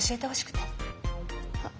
はっ？